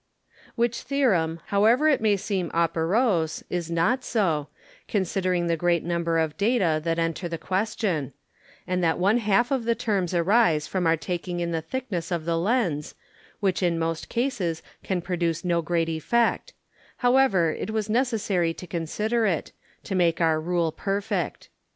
Which Theorem, however it may seem operose, is not so, considering the great Number of Data that enter the Question; and that one half of the Terms arise from our taking in the thickness of the Lens, which in most Cases can produce no great Effect; however it was necessary to consider it, to make our Rule perfect.